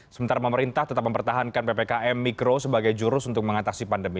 sementara pemerintah tetap mempertahankan ppkm mikro sebagai jurus untuk mengatasi pandemi